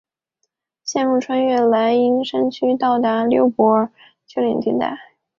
线路穿越泰莱山区和到达淄博丘陵地带。